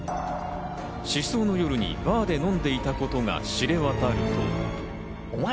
失踪の夜にバーで飲んでいたことが知れ渡ると。